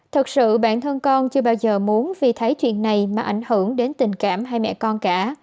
thật sự bản thân con chưa bao giờ muốn vì thấy chuyện này mà ảnh hưởng đến tình cảm hay mẹ con cả